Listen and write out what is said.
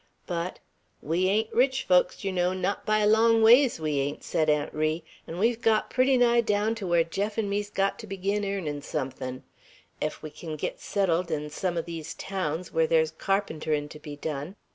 But, "We ain't rich folks, yer know, not by a long ways, we ain't," said Aunt Ri; "an' we've got pretty nigh down to where Jeff an' me's got to begin airnin' suthin'. Ef we kin git settled 'n some o' these towns where there's carpenterin' to be done.